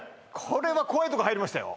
これは怖いとこ入りましたよ